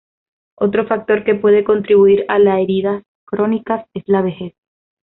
Otro factor que puede contribuir a las heridas crónicas es la vejez.